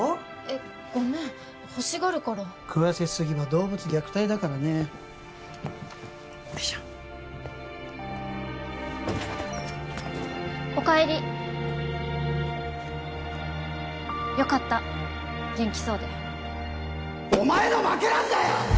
えっごめんほしがるから食わせすぎは動物虐待だからねよいしょお帰りよかった元気そうでお前の負けなんだよ！